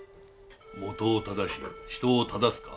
「元を糾し人を正す」か。